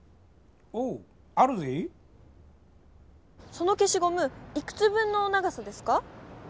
そのけしごむいくつ分の長さですか？